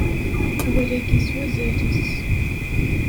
Awal-agi s wazal-is.